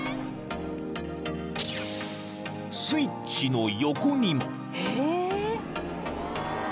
［スイッチの横にも］